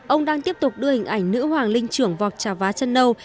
ông đang tiếp tục đưa hình ảnh nữ hoàng linh trưởng vọc trà vá chân nâu